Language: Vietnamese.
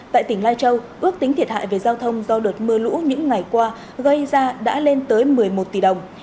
tại tỉnh lai châu ước tính thiệt hại về giao thông do đợt mưa lũ những ngày qua gây ra đã lên tới một mươi một tỷ đồng